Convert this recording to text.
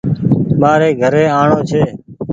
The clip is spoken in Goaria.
مآري گھري آڻو ڇي۔